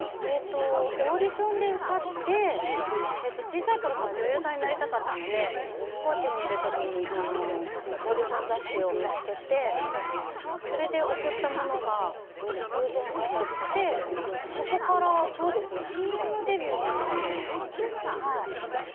オーディションで受かって小さいころから女優さんになりたかったので高知にいるときにオーディション雑誌を見つけて送ったものが偶然にあたってそこから、ＣＭデビューになるのかな。